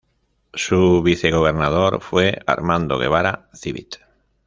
Su vicegobernador fue Armando Guevara Civit.